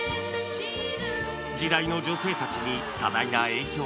時代の女性たちに多大な影響を与えた